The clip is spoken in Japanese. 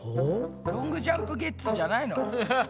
ロングジャンプゲッツじゃないの？